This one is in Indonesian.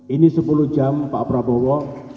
ini sepuluh jam pak prabowo